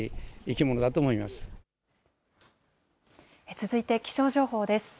続いて気象情報です。